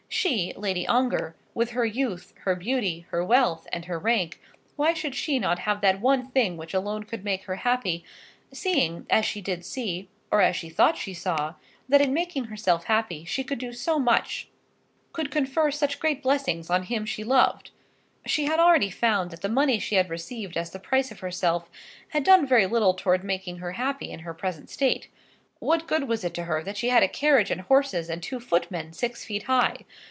She, Lady Ongar, with her youth, her beauty, her wealth, and her rank, why should she not have that one thing which alone could make her happy, seeing, as she did see, or as she thought she saw, that in making herself happy she could do so much, could confer such great blessings on him she loved? She had already found that the money she had received as the price of herself had done very little towards making her happy in her present state. What good was it to her that she had a carriage and horses and two footmen six feet high?